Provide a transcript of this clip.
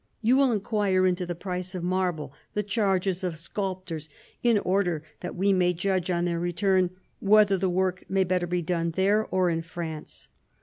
You will inquire into the price of marble, the charges of sculptors, in order that we may judge, on your return, whether the work may better be done there or in France."